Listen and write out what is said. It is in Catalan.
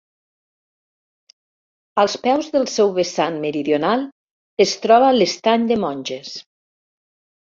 Als peus del seu vessant meridional es troba l'Estany de Monges.